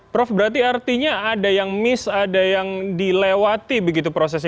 prof berarti artinya ada yang miss ada yang dilewati begitu prosesnya